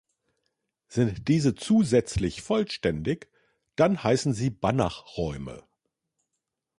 Sind diese zusätzlich vollständig, dann heißen sie Banachräume.